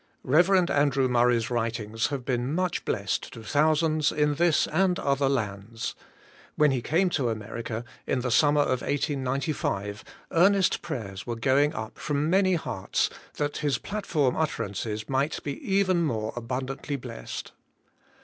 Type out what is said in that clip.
Rev. Andrew Murray's writings have been much blessed to thousands in this and other lands ; when he came to America, in the summer of 1895, earnest prayers were going up from many hearts that his platform utterances might be even more abundantly blessed.